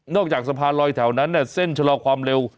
จากสะพานลอยแถวนั้นเส้นชะลอความเร็ว